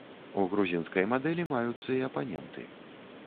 У грузінскай мадэлі маюцца і апаненты.